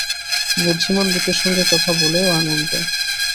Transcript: বুদ্ধিমান লোকের সঙ্গে কথা বলেও আনন্দ।